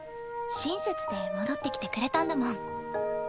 親切で戻ってきてくれたんだもん。